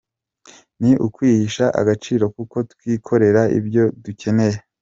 Ni ukwihesha agaciro kuko twikorera ibyo dukeneye.